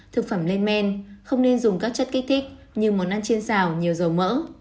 thực phẩm lên men không nên dùng các chất kích thích như món ăn trên xào nhiều dầu mỡ